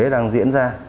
đang diễn ra